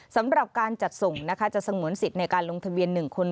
สำหรับการจัดส่งนะคะจะสงวนสิทธิ์ในการลงทะเบียน๑คน